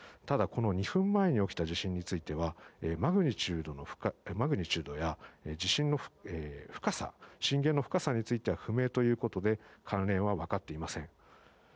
ただ、２分前に起きた地震についてはマグニチュードや地震の深さ震源の深さについては不明ということで関連は分かっていません。